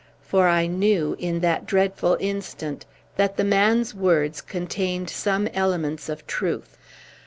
For I knew, in that dreadful instant, that the man's words contained some elements of truth.